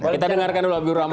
kita dengarkan dulu abdi urama